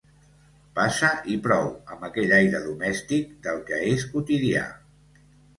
Passa i prou, amb aquell aire domèstic del que és quotidià.